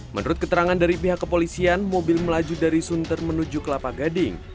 menurut keterangan dari pihak kepolisian mobil melaju dari sunter menuju kelapa gading